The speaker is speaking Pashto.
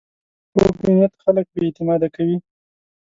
کوږ نیت خلک بې اعتماده کوي